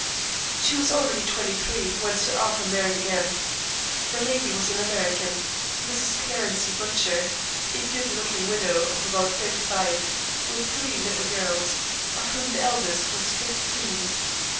She was already twenty three when Sir Arthur married again. The lady was an American: Mrs. Clarency Butcher, a good looking widow of about thirty five, with three little girls, of whom the eldest was fifteen.